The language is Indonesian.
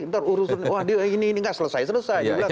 ntar urusin wah ini nggak selesai selesai